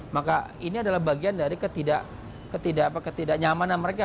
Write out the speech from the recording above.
maka ini adalah bagian dari ketidak nyamanan mereka